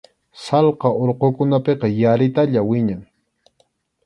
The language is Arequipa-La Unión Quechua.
Sallqa urqukunapiqa yaritalla wiñan.